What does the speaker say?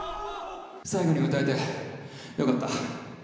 最後に歌えてよかった。